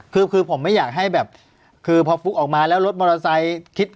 คือคือผมไม่อยากให้แบบคือพอฟลุกออกมาแล้วรถมอเตอร์ไซค์คิด